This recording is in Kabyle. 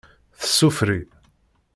Tsufri.